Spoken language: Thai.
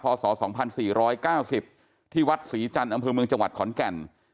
ศ๒๔๙๐ที่วัดศรีจันทร์อำเภอเมืองจังหวัดขอนแก่น